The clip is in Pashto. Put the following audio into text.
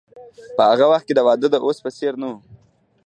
په هغه وخت کې واده د اوس په څیر نه و.